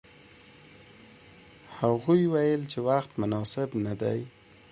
هغوی ویل چې وخت مناسب نه دی.